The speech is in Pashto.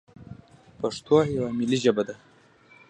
پښتو یوه ملي ژبه ده.